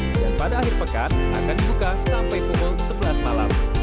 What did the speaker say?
dan pada akhir pekan akan dibuka sampai pukul sebelas malam